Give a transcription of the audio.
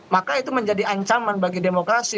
maka itu menjadi ancaman bagi demokrasi